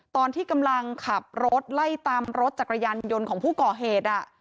ตอนที่กำลังขับรถไล่ตามรถจักรยานยนต์ของผู้ก่อเหตุ